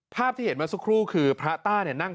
ภาพที่เห็นมาสักครู่คือพระต้านั่ง